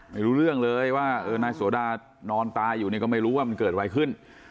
ไม่รู้เรื่องเลยว่านายโสดานอนตายอยู่เนี่ยก็ไม่รู้ว่ามันเกิดอะไรขึ้น